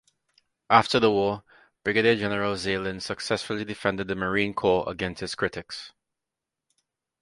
After the war, Brigadier General Zeilin successfully defended the Marine Corps against its critics.